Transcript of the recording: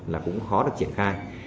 là cũng khó được triển khai